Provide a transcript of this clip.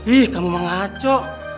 ih kamu mengacau